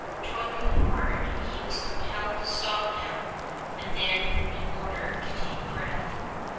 Toiling hard, he was compelled to stop now and then in order to take breath.